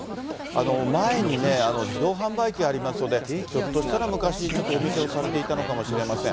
前にね、自動販売機がありますので、ひょっとしたら昔、ちょっとお店をされていたのかもしれません。